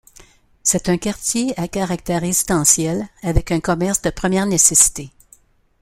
C'est un quartier à caractère résidentiel avec un commerce de première nécessité.